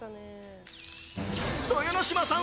豊ノ島さん